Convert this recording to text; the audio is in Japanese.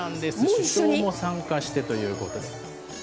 首相も参加してということで。